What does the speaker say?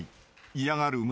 ［嫌がる村